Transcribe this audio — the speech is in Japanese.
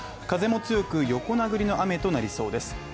風も強く、横殴りの雨となりそうです。